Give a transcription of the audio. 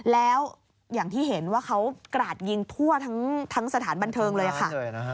แล้วอย่างที่เห็นว่าเขากราดยิงทั่วทั้งสถานบันเทิงเลยค่ะ